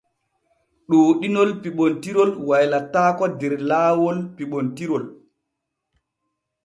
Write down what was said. Ɗuuɗinol piɓontirol waylataako der laawol piɓontirol.